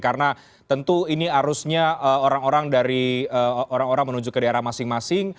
karena tentu ini arusnya orang orang dari orang orang menuju ke daerah masing masing